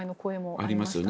ありますよね。